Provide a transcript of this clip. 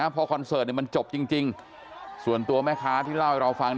พอคอนเสิร์ตมันจบจริงส่วนตัวแม่ค้าที่เล่าให้เราฟัง